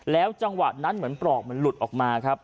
จังหวะนั้นเหมือนปลอกมันหลุดออกมาครับ